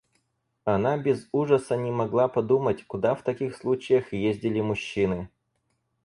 Она без ужаса не могла подумать, куда в таких случаях ездили мужчины.